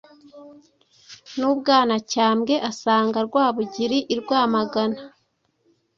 n’u Bwanacyambwe asanga Rwabugiri i Rwamagana;